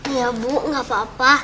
iya bu gak apa apa